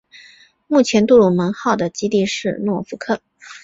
目前杜鲁门号的基地是诺福克。